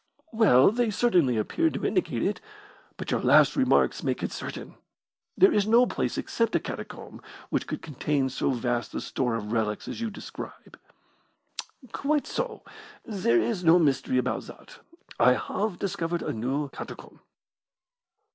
"Well, they certainly appeared to indicate it, but your last remarks make it certain. There is no place except a catacomb which could contain so vast a store of relics as you describe." "Quite so. There is no mystery about that. I have discovered a new catacomb."